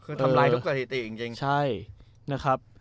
คือทำลายทุกสถิติจริงใช่นะครับ